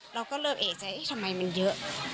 เราก็เริ่มเอกใจทำไมมันเยอะ